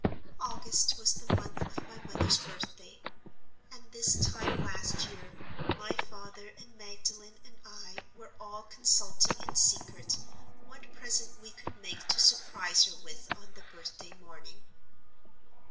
August was the month of my mother's birthday; and, this time last year, my father and Magdalen and I were all consulting in secret what present we could make to surprise her with on the birthday morning.